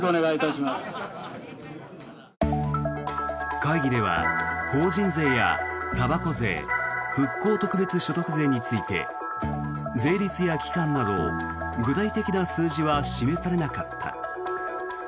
会議では法人税や、たばこ税復興特別所得税について税率や期間など具体的な数字は示されなかった。